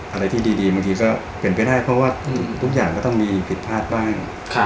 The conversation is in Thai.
อะไรที่ดีบางทีก็เป็นไปได้เพราะว่าทุกอย่างก็ต้องมีผิดพลาดบ้าง